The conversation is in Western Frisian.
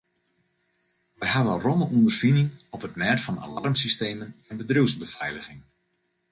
Wy hawwe romme ûnderfining op it mêd fan alarmsystemen en bedriuwsbefeiliging.